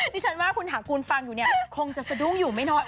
ดิฉันว่าคุณหากูลฟังอยู่เนี่ยคงจะสะดุ้งอยู่ไม่น้อย